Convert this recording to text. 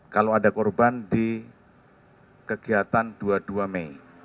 kalau ada korban di kegiatan dua puluh dua mei